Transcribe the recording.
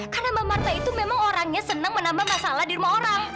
karena mbak marta itu memang orangnya senang menambah masalah di rumah orang